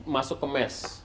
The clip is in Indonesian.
masuk ke mes